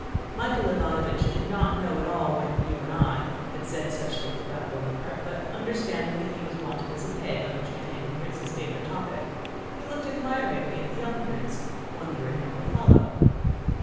Michael Ivánovich did not at all know when "you and I" had said such things about Bonaparte, but understanding that he was wanted as a peg on which to hang the prince's favorite topic, he looked inquiringly at the young prince, wondering what would follow.